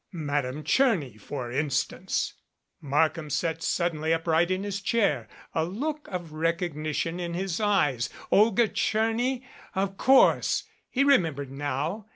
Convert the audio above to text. Madame Tcherny, for instance ! Markham sat suddenly upright in his chair, a look of recognition in his eyes. Olga Tcherny ! Of course, he remembered now.